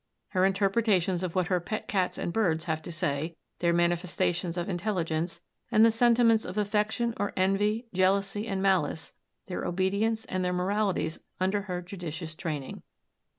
Her interpretations of what her pet cats and birds have to say, their manifestations of intelligence, and the sentiments of affection, or envy, jealousy, and malice; their obedience and their moralities under her judicious training.